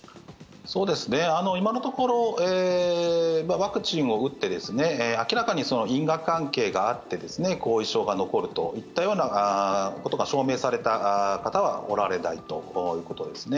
今のところワクチンを打って明らかに因果関係があって後遺症が残るといったようなことが証明された方はおられないということですね。